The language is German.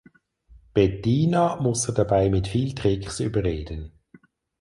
Bettina muss er dabei mit viel Tricks überreden.